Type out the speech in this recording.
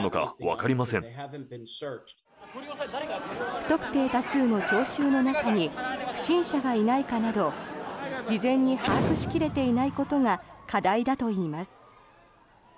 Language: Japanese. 不特定多数の聴衆の中に不審者がいないかなど事前に把握しきれていないことが課題だといいます。